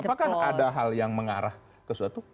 apakah ada hal yang mengarah ke suatu